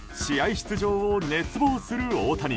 出場を熱望する大谷。